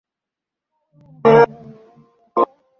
এই হল ওর খেদ।